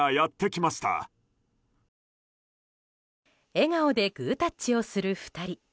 笑顔でグータッチをする２人。